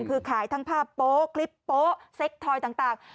คือขายทั้งภาพโป๊คลิปโป๊ะเซ็กทอยต่าง